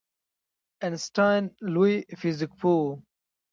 آینسټاین لوی فزیک پوه و